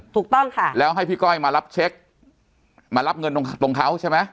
ถูกต้องค่ะแล้วให้พี่ก้อยมารับเช็คมารับเงินตรงตรงเขาใช่ไหม